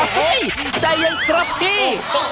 เฮ้ยใจเย็นครับพี่